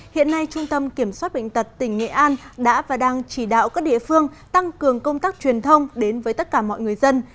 hiện nay trung tâm kiểm soát bệnh tật tỉnh nghệ an đã và đang chỉ đạo các địa phương tăng cường công tác truyền thông đến với tất cả mọi người dân